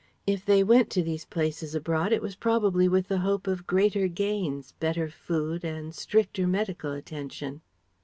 If they went to these places abroad it was probably with the hope of greater gains, better food, and stricter medical attention.